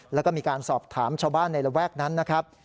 แล้วก็มีการสอบถามชาวบ้านในระแวกนั้นนะครับ